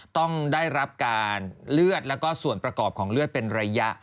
ต้องได้รับการเลือดแล้วก็ส่วนประกอบของเลือดเป็นระยะ